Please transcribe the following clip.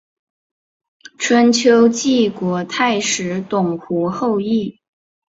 春秋晋国太史董狐后裔。